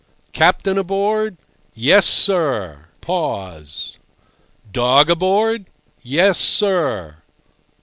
"Captain aboard?" "Yes, sir." Pause. "Dog aboard?" "Yes, sir."